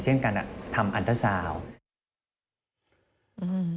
เช่นการทำอันตราซาวน์